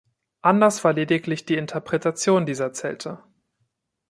Anders war lediglich die Interpretation dieser Zelte.